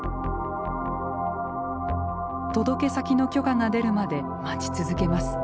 届け先の許可が出るまで待ち続けます。